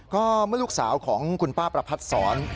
ก็เมื่อลูกสาวของคุณป้าประพัดศร